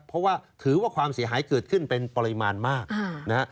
เพราะว่าถือว่าความเสียหายเกิดขึ้นเป็นปริมาณมากนะฮะ